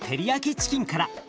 チキンから。